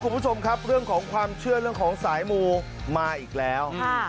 คุณผู้ชมครับเรื่องของความเชื่อเรื่องของสายมูมาอีกแล้ว